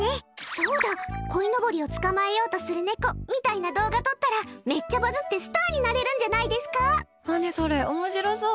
そうだ、鯉のぼりを捕まえようとする猫みたいな動画撮ったらめっちゃバズってスターになれるんじゃ何それ、面白そう！